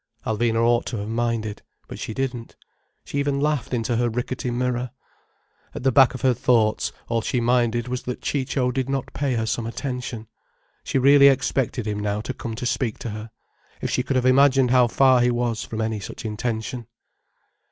Alvina ought to have minded. But she didn't. She even laughed into her ricketty mirror. At the back of her thoughts, all she minded was that Ciccio did not pay her some attention. She really expected him now to come to speak to her. If she could have imagined how far he was from any such intention.